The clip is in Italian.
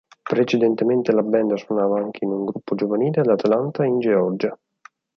Precedentemente la band suonava anche in un gruppo giovanile ad Atlanta in Georgia.